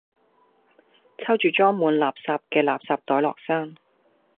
抽住裝滿垃圾嘅垃圾袋落山